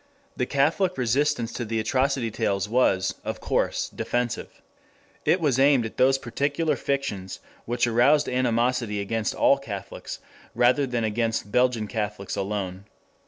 The Catholic resistance to the atrocity tales was, of course, defensive. It was aimed at those particular fictions which aroused animosity against all Catholics, rather than against Belgian Catholics alone.